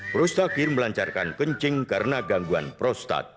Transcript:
prostakir melancarkan kencing karena gangguan prostat